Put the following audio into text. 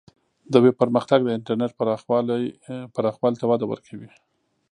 د ویب پرمختګ د انټرنیټ پراخوالی ته وده ورکوي.